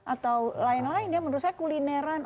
atau lain lain ya menurut saya kulineran